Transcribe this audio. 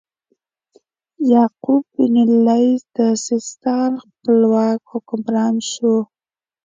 یعقوب بن اللیث د سیستان خپلواک حکمران شو.